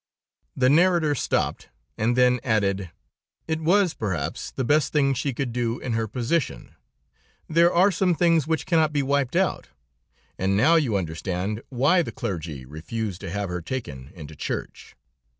The narrator stopped, and then added: "It was, perhaps, the best thing she could do in her position. There are some things which cannot be wiped out, and now you understand why the clergy refused to have her taken into church.